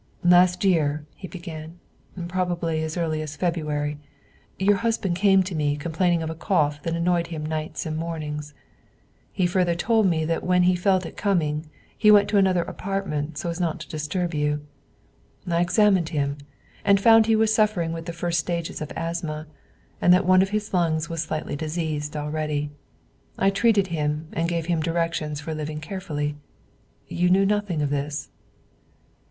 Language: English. "Last year," he began, "probably as early as February, your husband came to me complaining of a cough that annoyed him nights and mornings; he further told me that when he felt it coming, he went to another apartment so as not to disturb you. I examined him, and found he was suffering with the first stages of asthma, and that one of his lungs was slightly diseased already. I treated him and gave him directions for living carefully. You knew nothing of this?"